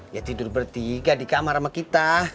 ya tidur bertiga di kamar sama kita